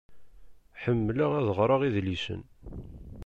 Ḥemleɣ ad ɣreɣ idlisen.